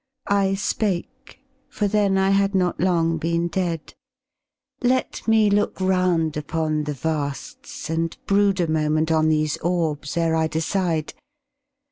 I spake for then I had not long been dead "Let me look round upon the vasts, and brood A moment on these orbs ere I decide